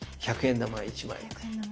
１００円玉１枚。